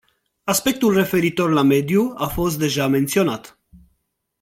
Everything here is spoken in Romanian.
Aspectul referitor la mediu a fost deja menționat.